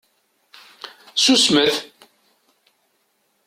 Susmet!